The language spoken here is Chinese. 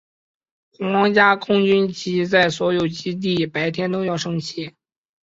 皇家空军旗在所有基地白天都要升起。